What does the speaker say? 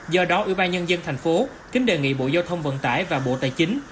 do đó ủy ban nhân dân thành phố kính đề nghị bộ giao thông vận tải và bộ tài chính